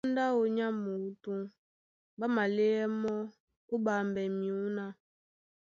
Ó póndá áō nyá muútú, ɓá maléɛ́ mɔ́ ó ɓambɛ myǔná.